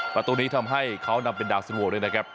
ประตูนี้ทำให้เขานำเป็นดาวสงวนด้วยนะครับ